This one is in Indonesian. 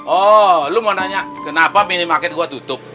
oh lu mau nanya kenapa mini market gua tutup